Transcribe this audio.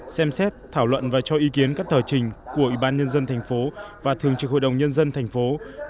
xem xét thảo luận và cho ý kiến các thờ trình của ủy ban nhân dân tp hcm và thường trực hội đồng nhân dân tp hcm